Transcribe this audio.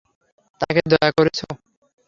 তাকে দয়া করেছ?